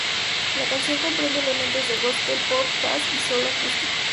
La canción comprende elementos de gospel, pop, jazz y soul acústico.